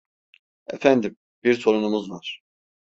Efendim, bir sorunumuz var.